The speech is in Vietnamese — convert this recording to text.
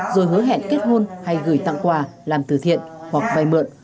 rồi hứa hẹn kết hôn hay gửi tặng quà làm từ thiện hoặc vay mượn